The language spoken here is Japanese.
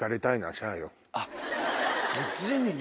あっそっちにね。